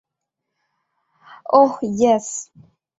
ওহ, yes!